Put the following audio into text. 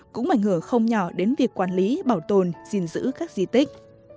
cũng mảnh ngờ không nhỏ đến việc quản lý bảo tồn gìn giữ các di tích